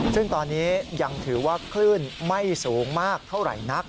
ซึ่งตอนนี้ยังถือว่าคลื่นไม่สูงมากเท่าไหร่นัก